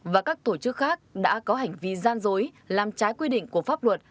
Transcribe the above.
và các tổ chức khác đã có hành vi gian dối làm trái quy định của pháp luật